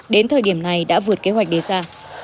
đến thời điểm này đã vượt kế hoạch đề ra